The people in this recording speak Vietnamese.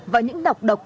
và những độc độc